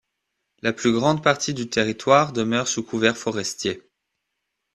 La plus grande partie du territoire demeure sous couvert forestier.